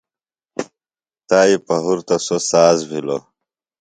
تائی پہُرتہ سوۡ ساز بِھلوۡ۔